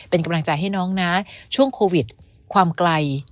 เป็นกำลังใจให้น้องนะช่วงโควิดความไกล